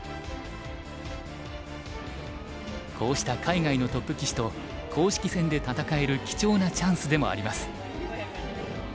こうした海外のトップ棋士と公式戦で戦える貴重なチャンスでもあります。